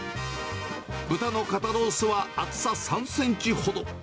豚の肩ロースは厚さ３センチほど。